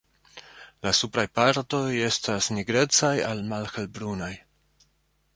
La supraj partoj estas nigrecaj al malhelbrunaj.